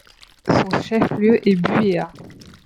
Son chef-lieu est Buéa.